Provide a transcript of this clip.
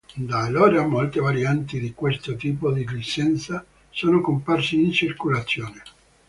Da allora molte varianti di questo tipo di licenza sono comparse in circolazione.